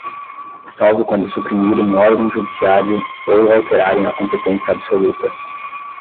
salvo quando suprimirem órgão judiciário ou alterarem a competência absoluta.